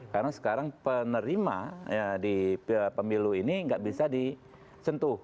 karena sekarang penerima di pemilu ini nggak bisa disentuh